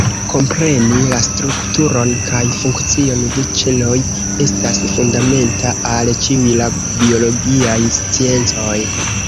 Kompreni la strukturon kaj funkcion de ĉeloj estas fundamenta al ĉiuj la biologiaj sciencoj.